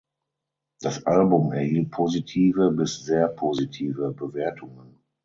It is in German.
Das Album erhielt positive bis sehr positive Bewertungen.